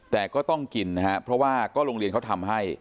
แต่ก็ต้องกินนะครับเพราะว่าก็โรงเรียนเขาทำให้